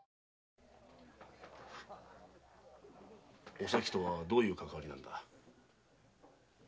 おさきとはどういうかかわりなんだ？